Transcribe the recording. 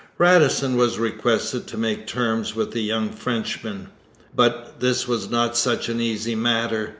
Radisson was requested to make terms with the young Frenchman, but this was not such an easy matter.